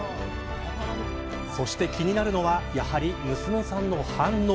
そして気になるのはやはり娘さんの反応。